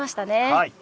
はい。